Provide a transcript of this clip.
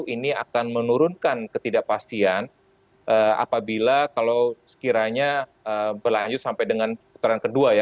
ini akan menurunkan ketidakpastian apabila kalau sekiranya berlanjut sampai dengan putaran kedua ya